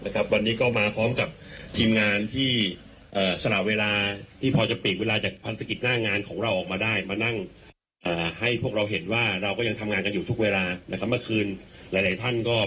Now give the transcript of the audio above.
ตอนนี้ไปดูผู้ว่าแถลงกันหน่อยครับสวัสดีครับ